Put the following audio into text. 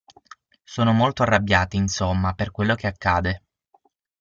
Sono molto arrabbiate, insomma, per quello che accade.